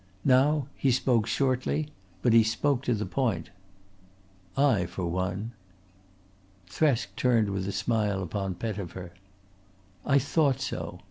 Now he spoke shortly, but he spoke to the point: "I for one." Thresk turned with a smile upon Pettifer. "I thought so.